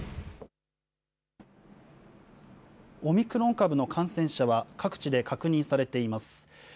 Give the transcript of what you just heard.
オミクロン株の感染者は各地で確認されています。